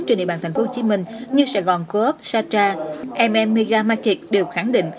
trên địa bàn tp hcm như sài gòn coop sata mm mega market đều khẳng định